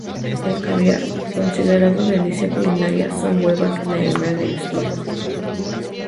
El caviar, considerado delicia culinaria, son huevas de la hembra del esturión.